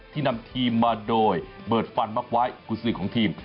ที่นำทีมมาโดยเบิดฟันมักว้ายกุศิษย์ของทีม